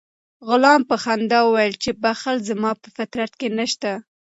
غلام په خندا وویل چې بخل زما په فطرت کې نشته.